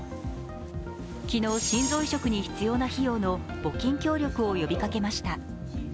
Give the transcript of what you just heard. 昨日、心臓移植に必要な費用の募金協力を呼びかけました。